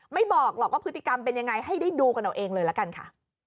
บอกหรอกว่าพฤติกรรมเป็นยังไงให้ได้ดูกันเอาเองเลยละกันค่ะ